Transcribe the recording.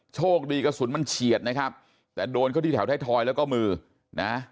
โชคดีกระสุนมันเฉียดนะครับแต่โดนเข้าที่แถวไทยทอยแล้วก็มือนะ